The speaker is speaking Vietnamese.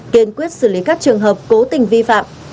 kiên quyết xử lý các trường hợp cố tình vi phạm